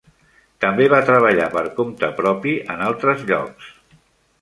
També va treballar per compte propi en altres llocs.